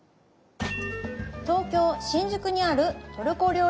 東京・新宿にあるトルコ料理レストラン。